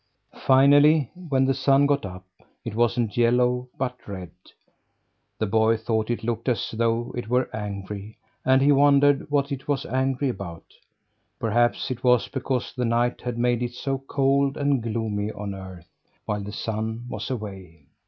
Finally, when the sun got up, it wasn't yellow but red. The boy thought it looked as though it were angry and he wondered what it was angry about. Perhaps it was because the night had made it so cold and gloomy on earth, while the sun was away.